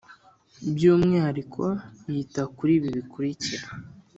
Byu umwihariko yita kuri ibi bikurikira